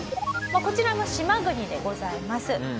こちらも島国でございます。